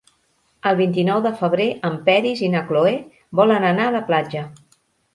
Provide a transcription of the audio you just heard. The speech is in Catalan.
El vint-i-nou de febrer en Peris i na Cloè volen anar a la platja.